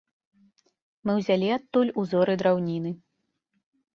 Мы ўзялі адтуль узоры драўніны.